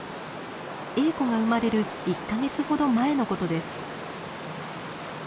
エーコが生まれる１か月ほど前のことです。